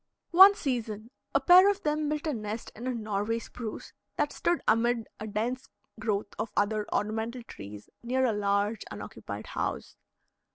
One season a pair of them built a nest in a Norway Spruce that stood amid a dense growth of other ornamental trees near a large unoccupied house.